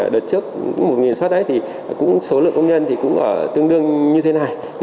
đợt trước một xuất đấy số lượng công nhân cũng tương đương như thế này